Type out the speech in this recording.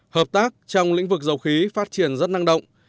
hợp tác trong lĩnh vực dầu khí phát triển rất năng động